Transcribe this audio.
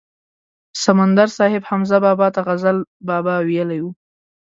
سمندر صاحب حمزه بابا ته غزل بابا ویلی و.